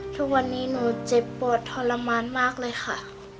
ทุกวันนี้หนูเจ็บปวดทรมานมากเลยค่ะ